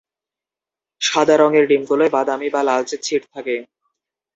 সাদা রঙের ডিমগুলোয় বাদামি বা লালচে ছিট থাকে।